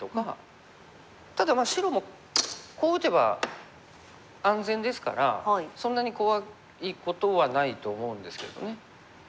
ただ白もこう打てば安全ですからそんなに怖いことはないと思うんですけどね。